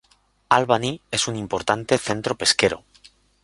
Albany es un importante centro pesquero.